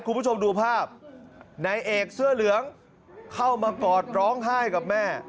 คุณผู้ชมดูภาพนายเอกเสื้อเหลืองเข้ามากอดร้องไห้กับแม่